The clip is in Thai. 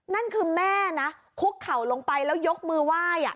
นั่นคือแม่นะคุกเข่าลงไปแล้วยกมือไหว้